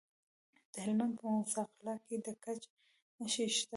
د هلمند په موسی قلعه کې د ګچ نښې شته.